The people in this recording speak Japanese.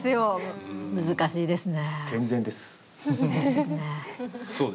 難しいですね。